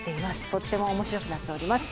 とっても面白くなっております